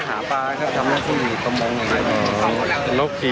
ก็หาปลาครับทำงานที่หลีกกระมงอย่างนี้